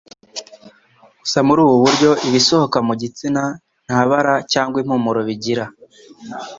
Gusa muri ubu buryo ibisohoka mu gitsina nta bara cg impumuro bigira.